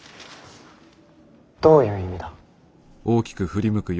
どういう意味だ。